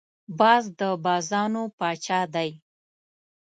باز د بازانو پاچا دی